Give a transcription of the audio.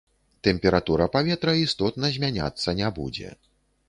Тэмпература паветра істотна змяняцца не будзе.